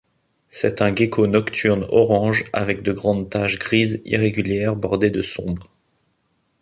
C'est un gecko nocturne orange, avec de grandes taches grises irrégulières bordées de sombre.